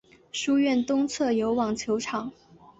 书院东侧有网球场。